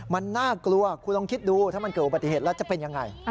มันน่ากลัวคุณลองคิดดูถ้ามันเกิดอุบัติเหตุแล้วจะเป็นยังไง